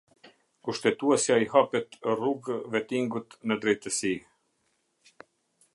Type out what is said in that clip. Kushtetuesja i hapet rrugë vettingut në drejtësi.